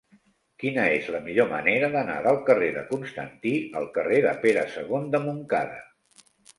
Quina és la millor manera d'anar del carrer de Constantí al carrer de Pere II de Montcada?